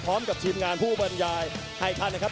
พร้อมกับทีมงานผู้บรรยายให้ท่านนะครับ